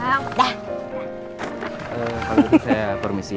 eh kalau gitu saya permisi ya